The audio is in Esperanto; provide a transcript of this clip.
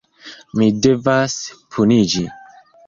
Mi devas puniĝi.